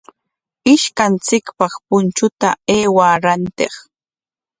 Ishkanchikpaq punchuta aywaa rantiq.